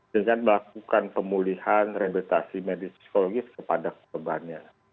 dengan melakukan pemulihan rehabilitasi medis psikologis kepada korbannya